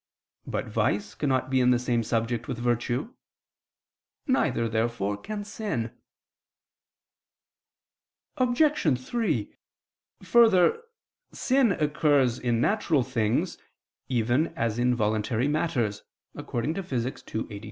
But vice cannot be in the same subject with virtue: neither, therefore, can sin. Obj. 3: Further, sin occurs in natural things, even as in voluntary matters (Phys. ii, text.